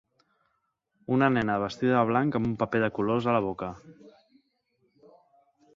Una nena vestida de blanc amb un paper de colors a la boca.